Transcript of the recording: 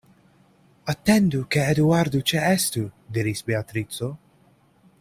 Atendu, ke Eduardo ĉeestu, diris Beatrico.